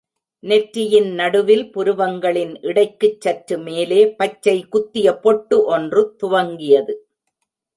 நெற்றியின் நடுவில் புருவங்களின் இடைக்குச் சற்று மேலே பச்சை குத்திய பொட்டு ஒன்று துவங்கியது.